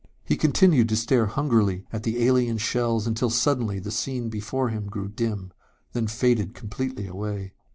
He continued to stare hungrily at the alien shells until suddenly the scene before him grew dim, then faded completely away.